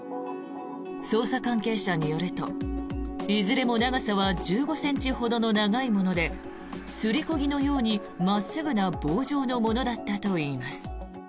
捜査関係者によると、いずれも長さは１５ｃｍほどの長いものですりこ木のように真っすぐな棒状のものだったといいます。